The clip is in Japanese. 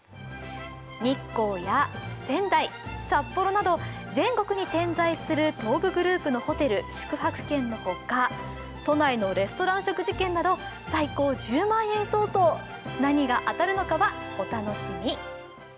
日光や仙台、札幌など全国に点在する東武グループのホテル宿泊券のほか都内のレストラン食事券など最高１０万円相当、何が当たるのかはお楽しみ。